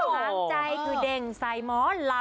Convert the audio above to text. แต่ว่าสุขลังใจคือเด่งใส่หม้อลำ